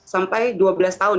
sampai dua belas tahun